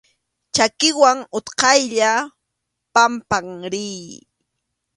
Chakiwan utqaylla pampan riy.